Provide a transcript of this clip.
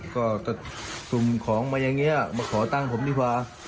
ก็กลุ่มของมาอย่างนี้มาขอตั้งผมดีกว่า